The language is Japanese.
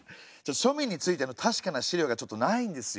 庶民についての確かな資料がちょっとないんですよ。